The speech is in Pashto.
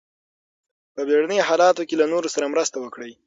په بیړني حالاتو کې له نورو سره مرسته وکړئ.